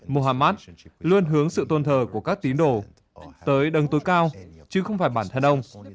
mohammad luôn hướng sự tôn thờ của các tín đồ tới đâng tối cao chứ không phải bản thân ông